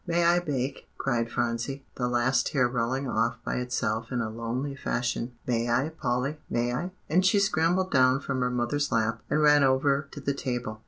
"May I bake?" cried Phronsie, the last tear rolling off by itself in a lonely fashion. "May I, Polly, may I?" and she scrambled down from her mother's lap, and ran over to the table.